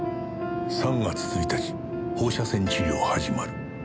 「３月１日放射線治療始まる」